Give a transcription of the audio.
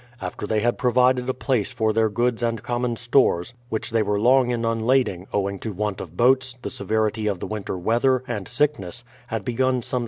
After they had provided a place for their goods and common stores, which they were long in unlading owing to Avant of boats, the severity of the winter weather, and sickness, had begun some sm.